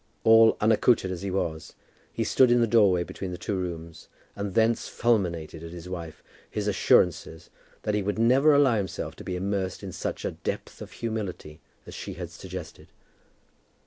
All unaccoutred as he was, he stood in the doorway between the two rooms, and thence fulminated at his wife his assurances that he would never allow himself to be immersed in such a depth of humility as that she had suggested.